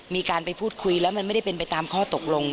มีการไปพูดคุยแล้วมันไม่ได้เป็นไปตามข้อตกลง